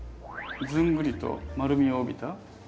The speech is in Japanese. ずんぐりと丸みを帯びた。